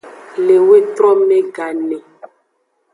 Le wetrome gane.